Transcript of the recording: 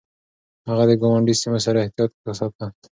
هغه د ګاونډي سيمو سره احتياط ساته.